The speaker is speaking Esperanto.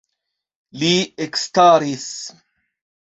Li ekstaris.